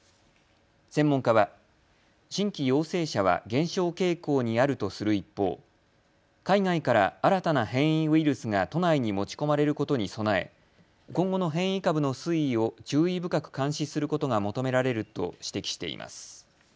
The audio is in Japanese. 専門家は新規陽性者は減少傾向にあるとする一方、海外から新たな変異ウイルスが都内に持ち込まれることに備え今後の変異株の推移を注意深く監視することが求められると指摘しています。